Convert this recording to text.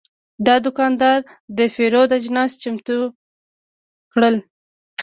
دا دوکاندار د پیرود اجناس چمتو کړل.